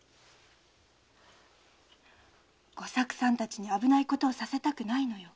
吾作さんたちに危ないことをさせたくないのよ。